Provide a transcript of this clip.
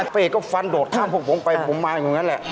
เป้ก็ฟันโดดข้ามพวกผมไปผมมาอย่างนั้นแหละ